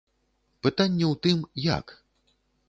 Пытанне ў тым, як.